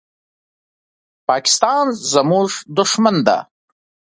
پاکستان زموږ دښمن ده.